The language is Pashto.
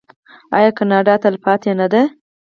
آیا کاناډا تلپاتې نه ده؟